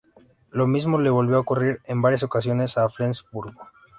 Lo mismo le volvió a ocurrir en varias ocasiones en Flensburgo.